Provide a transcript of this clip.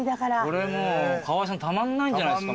これもう川合さんたまんないんじゃないんですか？